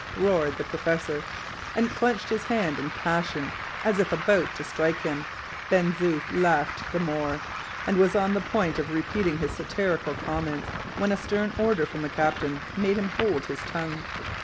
roared the professor, and clenched his hand in passion, as if about to strike him. Ben Zoof laughed the more, and was on the point of repeating his satirical comments, when a stern order from the captain made him hold his tongue.